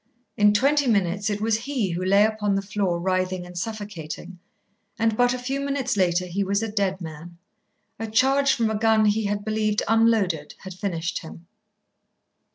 In twenty minutes it was he who lay upon the floor writhing and suffocating, and but a few minutes later he was a dead man. A charge from a gun he had believed unloaded had finished him.